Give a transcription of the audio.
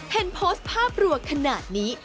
เห็นโพสต์ภาพรัวขนาดนี้